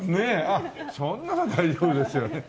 ああそんなら大丈夫ですよね。